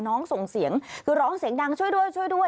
ส่งเสียงคือร้องเสียงดังช่วยด้วยช่วยด้วย